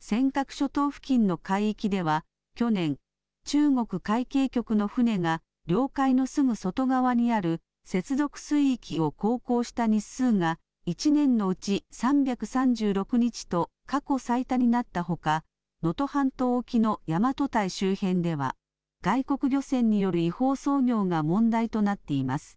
尖閣諸島付近の海域では去年、中国海警局の船が領海のすぐ外側にある接続水域を航行した日数が、１年のうち３３６日と過去最多になったほか、能登半島沖の大和堆周辺では、外国漁船による違法操業が問題となっています。